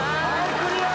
クリア。